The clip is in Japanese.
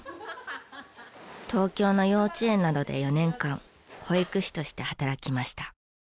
東京の幼稚園などで４年間保育士として働きました。